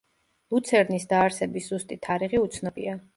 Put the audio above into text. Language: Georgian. ლუცერნის დაარსების ზუსტი თარიღი უცნობია.